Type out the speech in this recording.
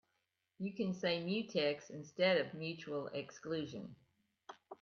You can say mutex instead of mutual exclusion.